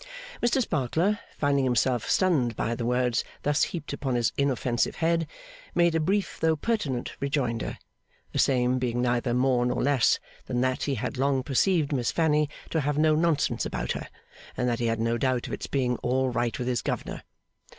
Mr Sparkler, finding himself stunned by the words thus heaped upon his inoffensive head, made a brief though pertinent rejoinder; the same being neither more nor less than that he had long perceived Miss Fanny to have no nonsense about her, and that he had no doubt of its being all right with his Governor.